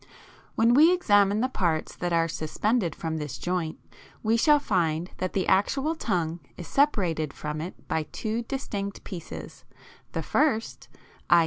When we examine the parts that are suspended from this joint, we shall find that the actual tongue is separated from it by two distinct pieces; the first (i.